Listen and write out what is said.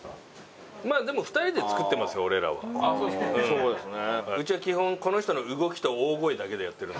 そうですね。